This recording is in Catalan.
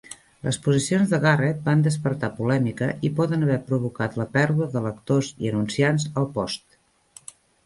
Les posicions de Garrett van despertar polèmica i poden haver provocat la pèrdua de lectors i anunciants al "Post".